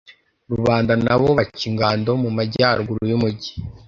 rubanda na bo baca ingando mu majyaruguru y'umugi